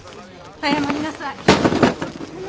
謝りなさい！